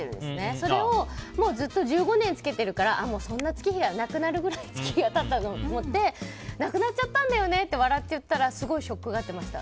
それをずっと１５年着けてるからもうそんな、なくなるぐらい月日が経ったんだなと思ってなくなっちゃったんだよねって笑って言ったらすごいショックがってました。